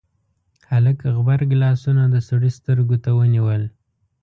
هلک غبرګ لاسونه د سړي سترګو ته ونيول: